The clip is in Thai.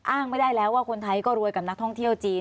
อ้างไม่ได้แล้วว่าคนไทยก็รวยกับนักท่องเที่ยวจีน